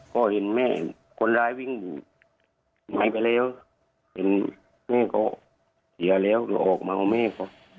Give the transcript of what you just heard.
พ่อเห็นแม่คนร้ายวิ่งหนูไหมไปแล้วเห็นแม่ก็เสียแล้วเดี๋ยวออกมาเอาแม่ก็